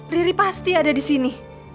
riri pasti ada disini